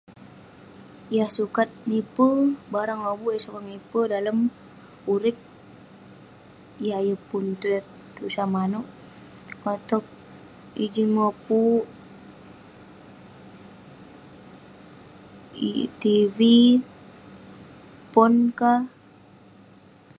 yah sukat mipe, barang lobuk yah sukat mipe dalem urip yah yeng pun tusah manouk, konak towk ijin mopuk, tv,pon ka,